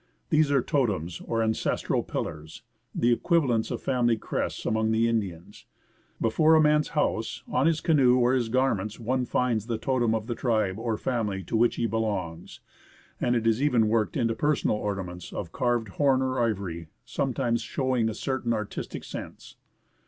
These are totems, or ancestral pillars, the equivalents of family crests among the Indians, Before a man's house, on his canoe, or his garments one finds the totem of the tribe or family to which he belongs, and it is even worked into personal ornaments of carved horn or ivory, sometimes showing a certain artistic sense.